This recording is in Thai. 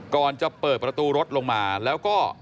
ก่อนจะเปิดประตูรถลงมาแล้วก็